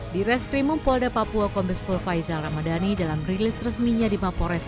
di restrimumpolda papua kombes pulvaizal ramadhani dalam rilis resminya di mapores